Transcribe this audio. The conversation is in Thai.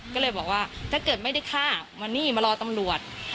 ก็เลยบอกว่าถ้าเกิดไม่ได้ฆ่ามานี่มารอตำรวจ